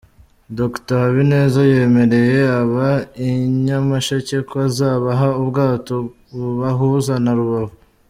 Dr Habineza yemereye ab’ I Nyamasheke ko azabaha ubwato bubahuza na Rubavu .